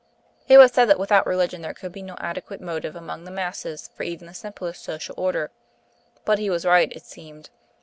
It was said that without religion there could be no adequate motive among the masses for even the simplest social order. But he was right, it seemed.